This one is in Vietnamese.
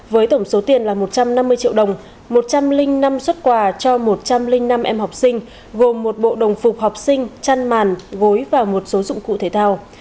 với tổng số tiền là một trăm năm mươi triệu đồng một trăm linh năm xuất quà cho một trăm linh năm em học sinh gồm một bộ đồng phục học sinh chăn màn gối và một số dụng cụ thể thao